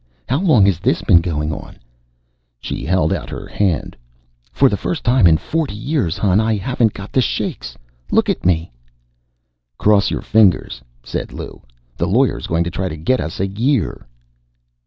How long has this been going on?" She held out her hand. "For the first time in forty years, hon, I haven't got the shakes look at me!" "Cross your fingers," said Lou. "The lawyer's going to try to get us a year."